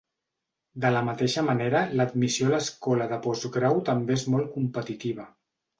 De la mateixa manera, l'admissió a l'escola de postgrau també és molt competitiva.